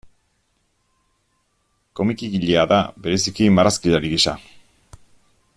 Komikigilea da, bereziki marrazkilari gisa.